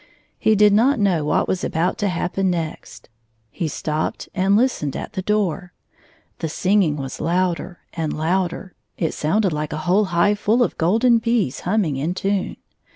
He did not know what was about to happen next. He stopped and listened at the door. The singing was louder and louder ; it sounded like a whole hive full of golden bees humming in tune.